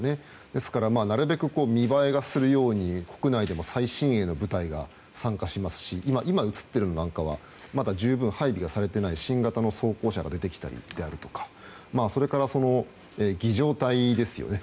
ですからなるべく見栄えがするように国内での最新鋭の部隊が参加しますし今映っていたのはまだ十分配備がされていない新型の装甲車が出てきたりであるとかそれから、儀仗隊ですよね。